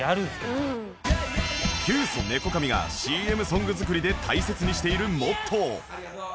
キュウソネコカミが ＣＭ ソング作りで大切にしているモットー